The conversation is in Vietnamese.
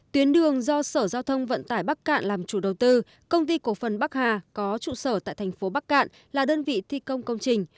tuyến đường do sở giao thông vận tải bắc cạn làm chủ đầu tư công ty cổ phần bắc hà có trụ sở tại thành phố bắc cạn là đơn vị thi công công trình